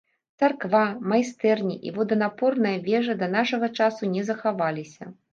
Царква, майстэрні і воданапорная вежа да нашага часу не захаваліся.